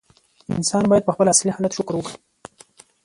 انسان باید په خپل اصلي حالت شکر وکړي.